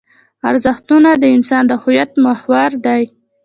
ارزښتونه د انسان د هویت محور دي.